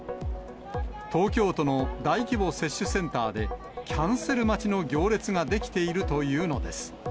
東京都の大規模接種センターで、キャンセル待ちの行列が出来ているというのです。